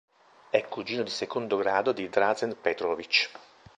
È cugino di secondo grado di Dražen Petrović.